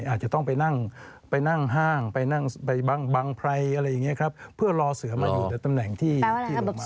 อาจจะต้องไปนั่งห้างไปบังไพรอะไรอย่างเงี้ยครับเพื่อรอเสือมาอยู่ในตำแหน่งที่ลงมา